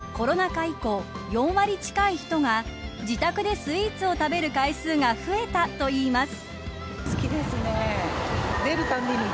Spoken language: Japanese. さらにある調査ではコロナ禍以降４割近い人が自宅でスイーツを食べる回数が増えたといいます。